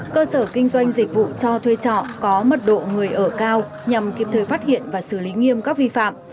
cơ sở kinh doanh dịch vụ cho thuê trọ có mật độ người ở cao nhằm kịp thời phát hiện và xử lý nghiêm các vi phạm